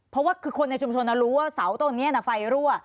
เพราะว่าคือคนในชุมชนรู้ว่าเสาต้นนี้ไฟรั่ว